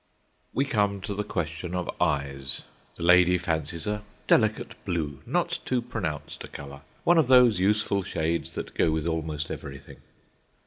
We come to the question of eyes. The lady fancies a delicate blue, not too pronounced a colour—one of those useful shades that go with almost everything.